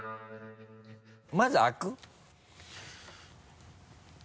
まず開く？